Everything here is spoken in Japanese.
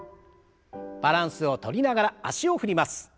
バランスをとりながら脚を振ります。